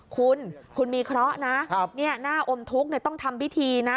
คุณคุณมีเคราะห์นะหน้าอมทุกข์ต้องทำพิธีนะ